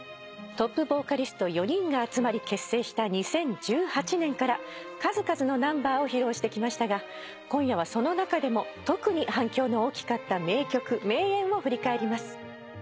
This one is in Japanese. トップボーカリスト４人が集まり結成した２０１８年から数々のナンバーを披露してきましたが今夜はその中でも特に反響の大きかった名曲名演を振り返ります。